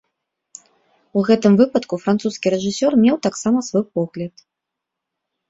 У гэтым выпадку французскі рэжысёр меў таксама свой погляд.